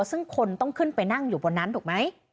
ซึ่งคนต้องขึ้นไปนั่งอยู่บนนั้นถูกไหม